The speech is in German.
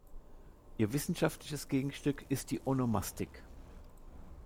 Ihr wissenschaftliches Gegenstück ist die Onomastik.